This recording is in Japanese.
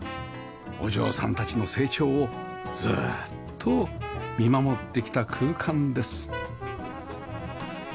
お嬢さんたちの成長をずっと見守ってきた空間です